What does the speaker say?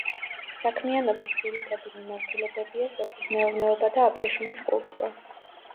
საქმიანობის ძირითადი მიმართულებებია სოფლის მეურნეობა და აბრეშუმის კულტურა.